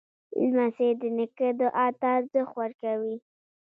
لمسی د نیکه دعا ته ارزښت ورکوي.